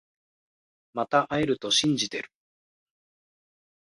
また会えると信じてる